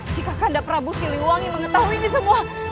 jika anda prabu siliwangi mengetahui ini semua